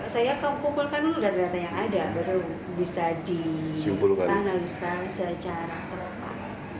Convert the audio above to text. saya kumpulkan dulu data data yang ada baru bisa ditanalisa secara teropak